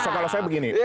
kalau saya begini